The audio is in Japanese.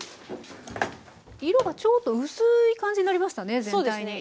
色がちょっと薄い感じになりましたね全体に。